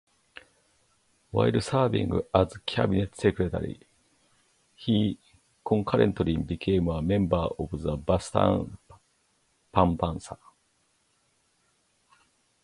While serving as cabinet secretary, he concurrently became a member of the Batasang Pambansa.